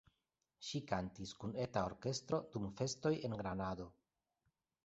Ŝi kantis kun eta orkestro dum festoj en Granado.